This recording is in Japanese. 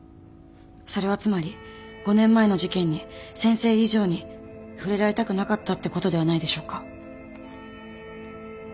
それはつまり５年前の事件に先生以上に触れられたくなかったってことではないでしょうか。